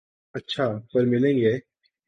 اچھا ، پرملیں گے